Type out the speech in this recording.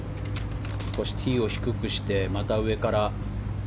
少しティーを低くしてまた上から。